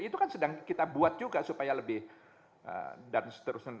itu kan sedang kita buat juga supaya lebih dan seterusnya